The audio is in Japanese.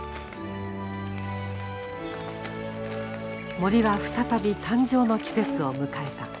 森は再び誕生の季節を迎えた。